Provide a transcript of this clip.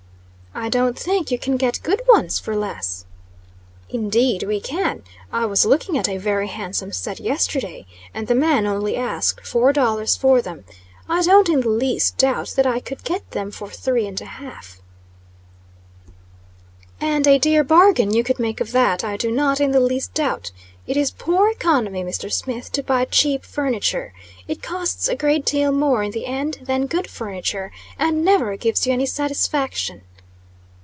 "I don't think you can get good ones for less." "Indeed we can. I was looking at a very handsome set yesterday; and the man only asked four dollars for them. I don't in the least doubt that I could get them for three and a half." "And a dear bargain you would make of that, I do not in the least doubt. It is poor economy, Mr. Smith, to buy cheap furniture. It costs a great deal more in the end, than good furniture, and never gives you any satisfaction."